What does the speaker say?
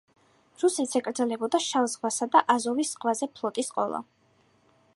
რუსეთს ეკრძალებოდა შავ ზღვასა და აზოვის ზღვაზე ფლოტის ყოლა.